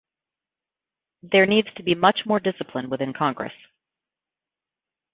There needs to be much more discipline within congress.